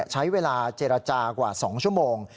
ใช้เวลาเจรจากว่า๒ชั่วโมง